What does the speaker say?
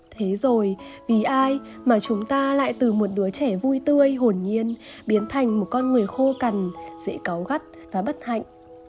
thế rồi vì ai mà chúng ta lại từ một đứa trẻ vui tươi hồn nhiên biến thành một con người khô cằn dễ có gắt và bất hạnh